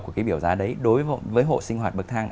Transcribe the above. của cái biểu giá đấy đối với hộ sinh hoạt bậc thang